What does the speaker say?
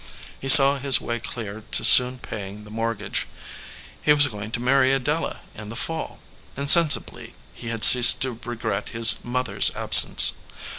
He saw his way clear to soon paying the mortgage. He was going to marry Adela in the fall. Insensibly he had ceased to regret his mother s absence.